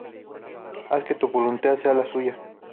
Haz que tu voluntad sea la suya.